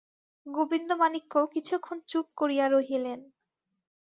গোবিন্দমাণিক্য কিছুক্ষণ চুপ করিয়া রহিলেন।